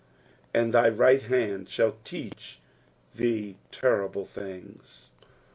^'And thy right band ikall teaeh thet terribla thingt."